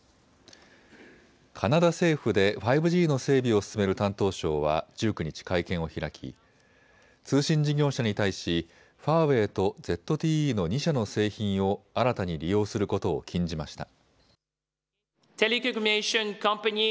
カナダ政府で５Ｇの整備を進める担当相は１９日、会見を開き通信事業者に対しファーウェイとＺＴＥの２社の製品を新たに利用することを禁じました。